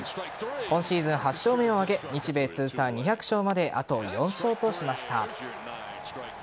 今シーズン８勝目を挙げ日米通算２００勝まであと４勝としました。